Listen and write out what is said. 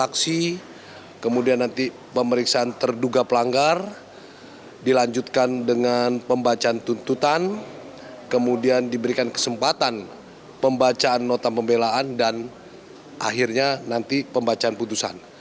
saksi kemudian nanti pemeriksaan terduga pelanggar dilanjutkan dengan pembacaan tuntutan kemudian diberikan kesempatan pembacaan nota pembelaan dan akhirnya nanti pembacaan putusan